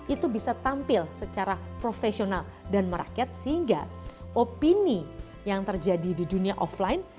itu bisa tampil secara profesional dan merakyat sehingga opini yang terjadi di dunia offline